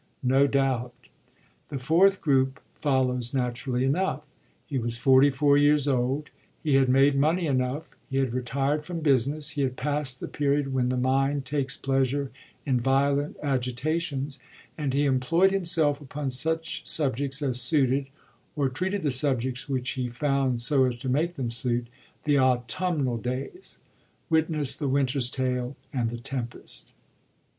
[No doubt.] The Fourth Group follows naturally enough. He was forty four years old ; he had made money enough ; he had retired from business ; he had passed the period when the mind takes pleasure in violent agitations ; and he employed him self upon such subjects as suited— or treated the subjects which he found so as to make them suit— the autumnal days : witness The Winter'a Tale and The Tempest.